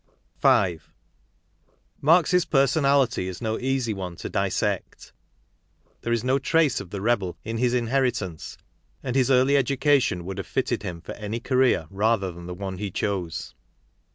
V. _ Marx's personality is no easy one to dissect. There is no trace of the rebel in his inheritance; and his early education would have fitted him for any career rather than the one he chose.